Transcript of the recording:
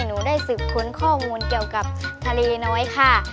หนูได้สืบค้นข้อมูลเกี่ยวกับทะเลน้อยค่ะ